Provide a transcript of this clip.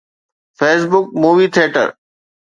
Facebook movie theatre